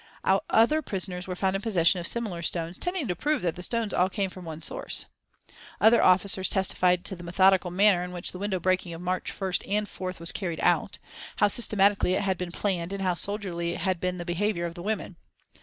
Other prisoners were found in possession of similar stones, tending to prove that the stones all came from one source. Other officers testified to the methodical manner in which the window breaking of March 1st and 4th was carried out, how systematically it had been planned and how soldierly had been the behaviour of the women.